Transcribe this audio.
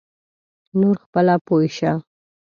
نور خپله پوی شه.